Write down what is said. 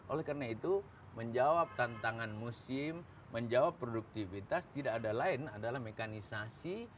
oleh karena itu menjawab tantangan musim menjawab produktivitas tidak ada lain adalah mekanisasi